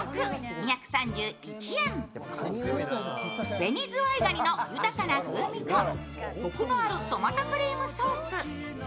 紅ずわい蟹の豊かな風味とコクのあるトマトクリームソース。